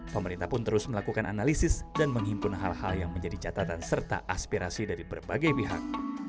pemerintah pun terus melakukan analisis dan menghimpun hal hal yang menjadi catatan serta aspirasi dari berbagai pihak